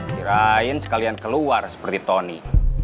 kirain sekalian keluar seperti tony